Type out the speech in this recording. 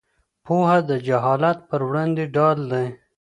پوهه د جهالت پر وړاندې ډال دی.